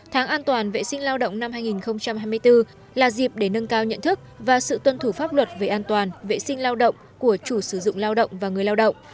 tháng an toàn vệ sinh lao động năm hai nghìn hai mươi bốn là dịp để nâng cao nhận thức và sự tuân thủ pháp luật về an toàn vệ sinh lao động của chủ sử dụng lao động và người lao động